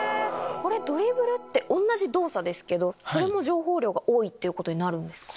ドリブルって同じ動作ですけどそれも情報量が多いってことになるんですか？